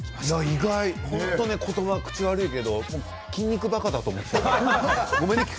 本当に言葉、口が悪いけれども筋肉ばかだと思っていた。